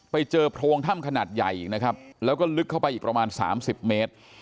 ไปเจอโพรงถ้ำขนาดใหญ่อีกนะครับแล้วก็ลึกเข้าไปอีกประมาณสามสิบเมตร